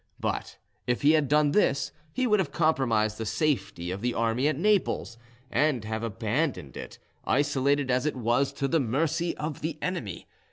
But if he had done this, he would have compromised the safety of the army at Naples, and have abandoned it, isolated as it was, to the mercy of the enemy.